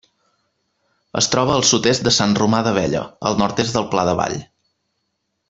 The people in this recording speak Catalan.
Es troba al sud-est de Sant Romà d'Abella, al nord-est del Pla de Vall.